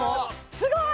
すごい！